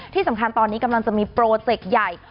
ที่สำคัญตอนนี้กำลังจะมีโปรเจกต์ใหญ่